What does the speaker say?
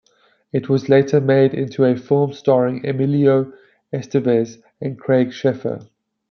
It was later made into a film starring Emilio Estevez and Craig Sheffer.